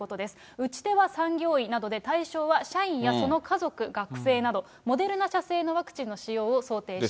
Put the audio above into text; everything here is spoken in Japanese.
打ち手は産業医などで、対象は社員やその家族、学生など、モデルナ社製のワクチンの使用を想定しています。